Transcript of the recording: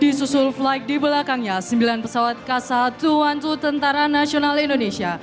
disusul flight di belakangnya sembilan pesawat k satu dua tentara nasional indonesia